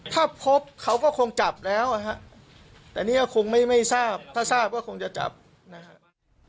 ถ้าพบเขาก็คงจับแล้วนะฮะแต่นี่ก็คงไม่ทราบถ้าทราบก็คงจะจับนะครับ